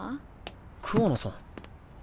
桑名さん。